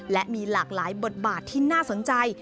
และมีหลากหลายบทบาทที่น่าสนใจ